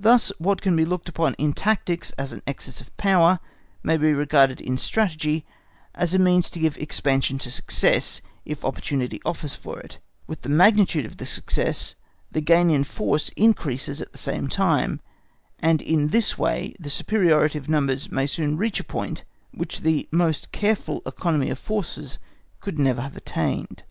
Thus what can be looked upon in tactics as an excess of power, must be regarded in Strategy as a means to give expansion to success, if opportunity offers for it; with the magnitude of the success the gain in force increases at the same time, and in this way the superiority of numbers may soon reach a point which the most careful economy of forces could never have attained.